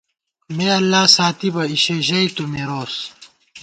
مے اللہ ساتِبہ، اِشے ژَئی تُو مِروس